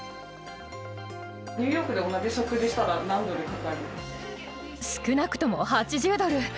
ニューヨークで同じ食事したら、少なくとも８０ドル。